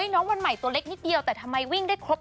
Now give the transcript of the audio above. น้องวันใหม่ตัวเล็กนิดเดียวแต่ทำไมวิ่งได้ครบ